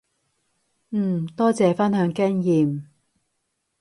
嗯，多謝分享經驗